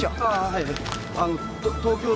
はいはい。